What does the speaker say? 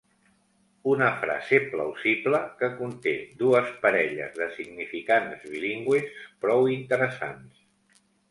Una frase plausible que conté dues parelles de significants bilingües prou interessants.